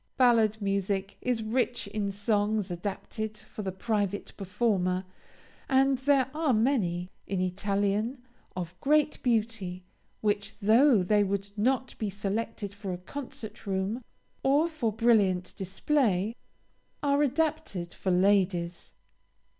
Ballad music is rich in songs adapted for the private performer and there are many, in Italian, of great beauty, which, though they would not be selected for a concert room, or for brilliant display, are adapted for ladies.